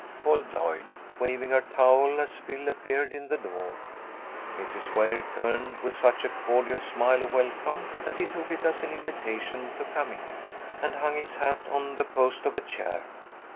called Lloyd, waving her towel as Phil appeared in the door. Mrs. Ware turned with such a cordial smile of welcome, that he took it as an invitation to come in, and hung his hat on the post of a chair.